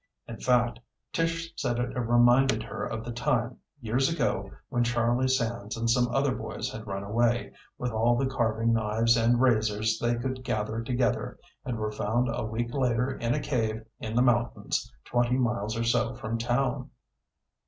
In fact, Tish said it reminded her of the time, years ago, when Charlie Sands and some other boys had run away, with all the carving knives and razors they could gather together, and were found a week later in a cave in the mountains twenty miles or so from town.